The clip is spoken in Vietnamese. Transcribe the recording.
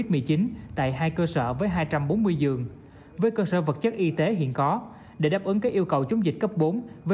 một chút thì nó đã lây cực nhanh